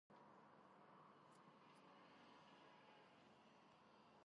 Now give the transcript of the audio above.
გავრცელებულნი არიან აფრიკის ტყეებსა და სავანებში.